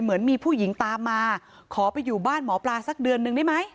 เหมือนมีผู้หญิงตามมาขอไปอยู่บ้านหมอปลาสักเดือนนึงได้ไหม